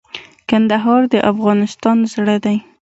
کندهار د افغانستان زړه دي